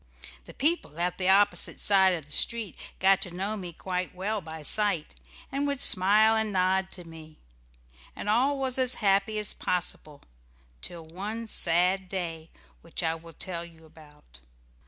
The people at the opposite side of the street got to know me quite well by sight, and would smile and nod to me. And all was as happy as possible till one sad day which I will tell you about.